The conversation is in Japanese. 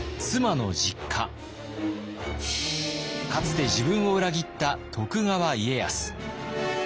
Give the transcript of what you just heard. かつて自分を裏切った徳川家康。